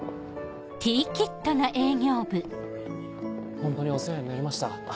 ホントにお世話になりました。